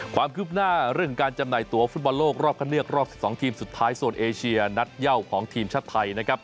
ความคืบหน้าเรื่องการจำหน่ายตัวฟุตบอลโลกรอบคันเลือกรอบ๑๒ทีมสุดท้ายโซนเอเชียนัดเย่าของทีมชาติไทยนะครับ